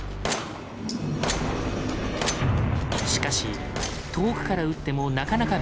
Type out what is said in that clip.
しかし遠くから撃ってもなかなか命中しない。